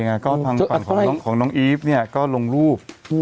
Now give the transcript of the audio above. อ่ะก็ผ่านของน้องเอฟเนี้ยก็ลงรูป